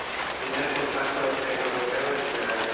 Primer contacto entre europeos y yaganes.